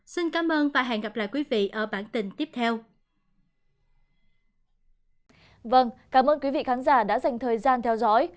xin cảm ơn và hẹn gặp lại quý vị ở bản tin tiếp theo